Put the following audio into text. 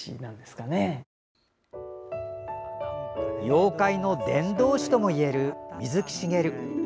妖怪の伝道師ともいえる水木しげる。